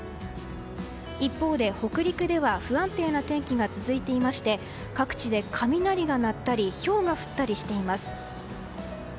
一方で北陸では不安定な天気が続いていまして各地で雷が鳴ったりひょうが降ったりしています。